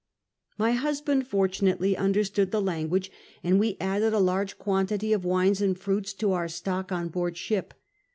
My husband, fortunately, understood the language, and we added a large quantity of wines and fruits to our stock on board ship.